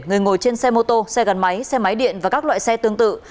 người ngồi trên xe mô tô xe gắn máy xe máy điện và các loại xe tương tự